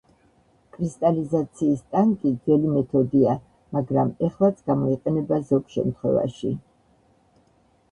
კრისტალიზაციის ტანკი ძველი მეთოდია მაგრამ ეხლაც გამოიყენება ზოგ შემთხვევაში.